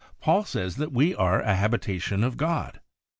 Paul says that we are a habitation of God.